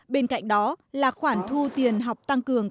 bên cạnh đó là khoản thu tiền học tăng cường